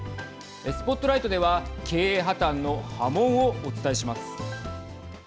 ＳＰＯＴＬＩＧＨＴでは経営破綻の波紋をお伝えします。